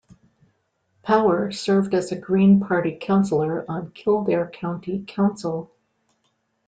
Power, served as a Green Party councillor on Kildare County Council.